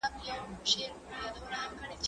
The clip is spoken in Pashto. زه له سهاره مکتب ته ځم؟